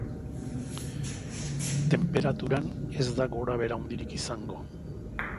Tenperaturan ez da gorabehera handirik izango.